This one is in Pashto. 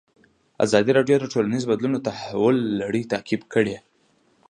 ازادي راډیو د ټولنیز بدلون د تحول لړۍ تعقیب کړې.